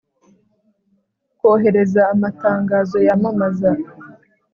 kohereza amatangazo yamamaza.